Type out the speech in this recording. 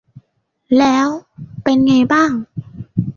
แล้วเป็นไงบ้าง